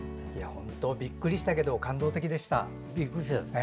本当びっくりしたけど感動的でした。